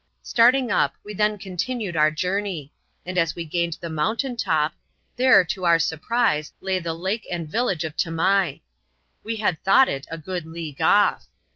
Starting up, we then continued our journey ; and as we gained the mountain top — there, to our surprise, lay the lake and vil lage of Tamai. We had thought it a good league off.